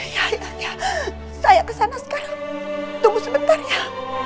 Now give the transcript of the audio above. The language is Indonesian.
ya ya ya saya kesana sekarang tunggu sebentar ya